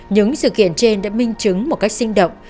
những sự kiện trên đã minh chứng một cách sinh động